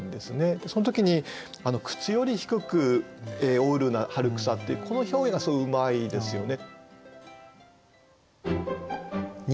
その時に「靴よりひくく生ふる春草」っていうこの表現がすごいうまいですよね。